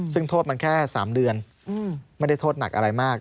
ซึ่งโทษมันแค่๓เดือนไม่ได้โทษหนักอะไรมาก